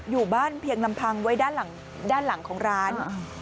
อยู่บ้านเพียงลำพังไว้ด้านหลังของร้าน